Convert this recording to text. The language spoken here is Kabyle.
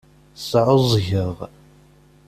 Sɛuẓẓgeɣ.